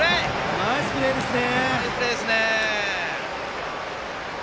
ナイスプレーですね。